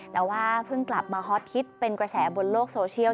แต่ว่าเพิ่งกลับมาฮอตฮิตเป็นกระแสบนโลกโซเชียล